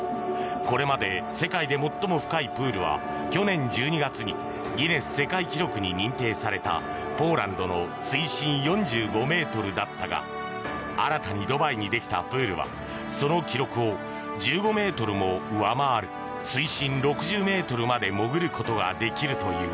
これまで世界で最も深いプールは去年１２月にギネス世界記録に認定されたポーランドの水深４５ｍだったが新たにドバイにできたプールはその記録を１５ｍも上回る、水深６０ｍまで潜ることができるという。